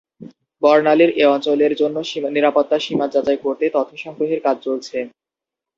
বর্ণালীর এ অঞ্চলের জন্য নিরাপত্তা সীমা যাচাই করতে তথ্য সংগ্রহের কাজ চলছে।